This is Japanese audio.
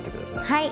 はい。